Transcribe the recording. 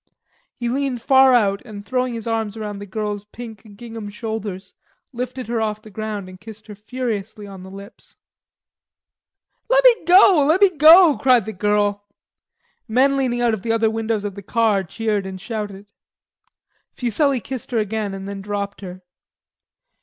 He leaned far out, and, throwing his arms around the girl's pink gingham shoulders, lifted her off the ground and kissed her furiously on the lips. "Lemme go, lemme go," cried the girl. Men leaning out of the other windows of the car cheered and shouted. Fuselli kissed her again and then dropped her.